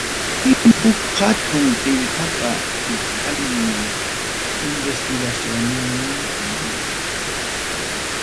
Paymi huk hatun qillqapa qillqaynin investigacionniymanta.